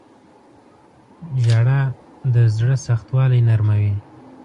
• ژړا د زړه سختوالی نرموي.